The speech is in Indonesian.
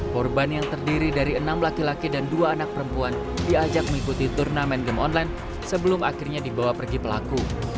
korban yang terdiri dari enam laki laki dan dua anak perempuan diajak mengikuti turnamen game online sebelum akhirnya dibawa pergi pelaku